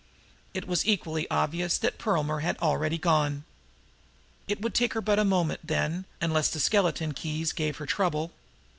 It was equally obvious that Perlmer had already gone. It would take her but a moment, then, unless the skeleton keys gave her trouble.